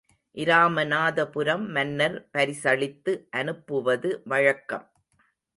இராமநாதபுரம் மன்னர் பரிசளித்து அனுப்புவது வழக்கம்.